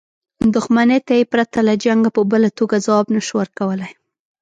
دښمنۍ ته یې پرته له جنګه په بله توګه ځواب نه شو ورکولای.